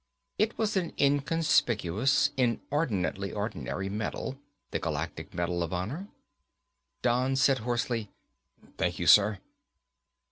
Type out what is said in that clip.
It was an inconspicuous, inordinately ordinary medal, the Galactic Medal of Honor. Don said hoarsely, "Thank you, sir."